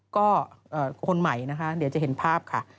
ก็คนใหม่นะคะเดี๋ยวจะเห็นภาพค่ะ